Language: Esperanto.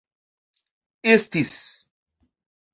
estis